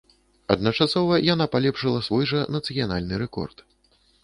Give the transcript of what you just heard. Адначасова яна палепшыла свой жа нацыянальны рэкорд.